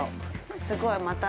すごいまた。